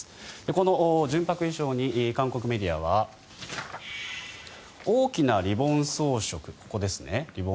この純白衣装に韓国メディアは大きなリボン装飾、ここですね